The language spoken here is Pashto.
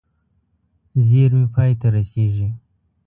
زېرمې پای ته رسېږي.